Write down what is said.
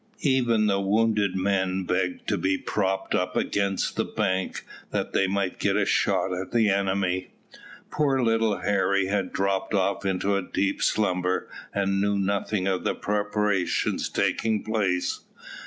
Even the wounded men begged to be propped up against the bank that they might get a shot at the enemy. Poor little Harry had dropped off into a deep slumber, and knew nothing of the preparations taking place.